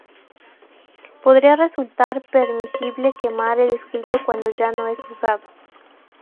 Podría resultar permisible quemar el escrito cuando ya no es usado.